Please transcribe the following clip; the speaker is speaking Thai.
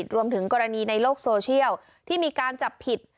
รวมถึงกรณีในโลกโซเชียลที่มีการจับผิด